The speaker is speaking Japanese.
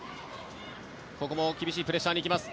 ここも厳しいプレッシャーに行きます。